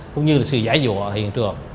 cũng như là sự giấy dụa ở hiện trường